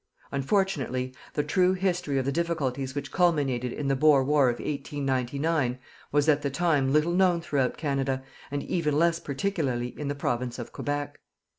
Unfortunately, the true history of the difficulties which culminated in the Boer War of 1899, was at the time little known throughout Canada, and even less particularly in the Province of Quebec.